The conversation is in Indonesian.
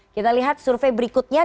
kita lihat survei berikutnya